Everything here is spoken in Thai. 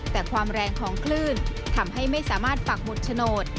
แต่ความแรงของคลื่นทำให้ไม่สามารถปักหมุดโฉนด